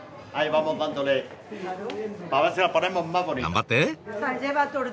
頑張って！